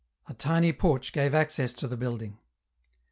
A tiny porch gave access to the building.